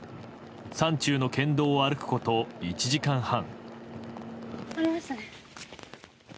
山中の県道を歩くこと１時間半。